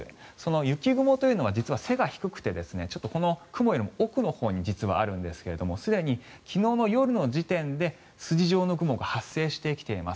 雪雲というのは実は背が低くてこの雲の奥のほうに実はあるんですけどすでに昨日の夜の時点で筋状の雲が発生してきています。